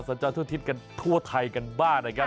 สัญญาณทั่วทิศทั่วไทยกันบ้านนะครับ